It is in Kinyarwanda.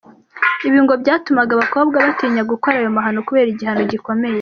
Ibi ngo byatumaga abakobwa batinya gukora ayo mahano kubera igihano gikomeye.